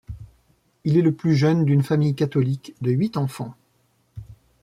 Il est le plus jeune d'une famille catholique de huit enfants.